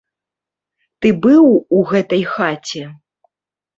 Ты быў у гэтай хаце?